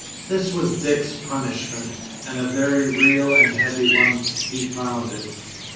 This was Dick's punishment, and a very real and heavy one he found it.